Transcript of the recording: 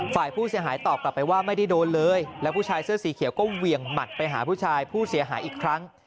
ฝ่ายผู้เสียหายตอบกลับไปว่าไม่ได้โดนเลยแล้วผู้ชายเสื้อสีเขียวก็เหวี่ยงหมัดไปหาผู้ชายผู้เสียหายอีกครั้ง